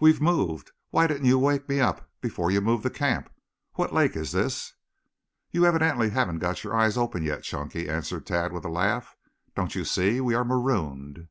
"We've moved. Why didn't you wake me up before you moved the camp? What lake is this?" "You evidently haven't got your eyes open yet, Chunky," answered Tad with a laugh. "Don't you see, we are marooned?"